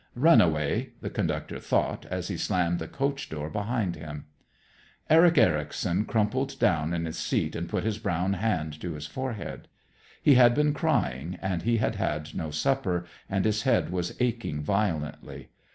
"Run away," the conductor thought, as he slammed the coach door behind him. Eric Ericson crumpled down in his seat and put his brown hand to his forehead. He had been crying, and he had had no supper, and his head was aching violently.